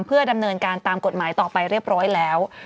เพื่อดำเนินการตามกฎหมายต่อไปเรียบร้อยแล้ว